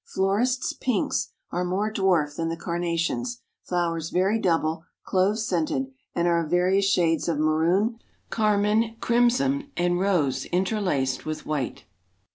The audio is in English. Florist's Pinks are more dwarf than the Carnations, flowers very double, clove scented, and are of various shades of maroon, carmine, crimson and rose interlaced with white.